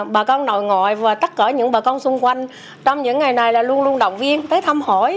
bà con nội ngoại và tất cả những bà con xung quanh trong những ngày này là luôn luôn động viên tới thăm hỏi